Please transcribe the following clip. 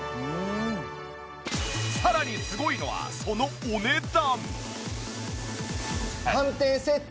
さらにすごいのはそのお値段。